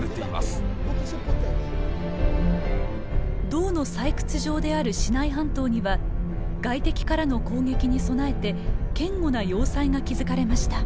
銅の採掘場であるシナイ半島には外敵からの攻撃に備えて堅固な要塞が築かれました。